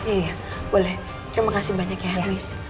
iya boleh terima kasih banyak ya helis